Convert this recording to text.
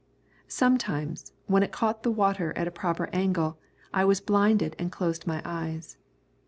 Sometimes, when it caught the water at a proper angle, I was blinded and closed my eyes.